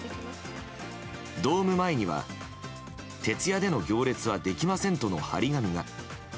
ドーム前には徹夜での行列はできませんとの貼り紙が。